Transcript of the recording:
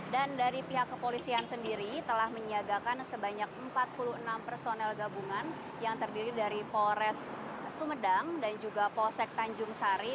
dan dari pihak kepolisian sendiri telah menyiagakan sebanyak empat puluh enam personel gabungan yang terdiri dari polres sumedang dan juga polsek tanjung sari